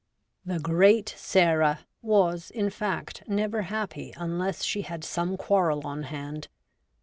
' The great Sarah ' was, in fact, never happy unless she had some quarrel on hand.